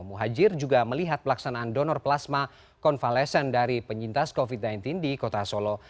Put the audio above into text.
muhajir juga melihat pelaksanaan donor plasma konvalesen dari penyintas covid sembilan belas di kota solo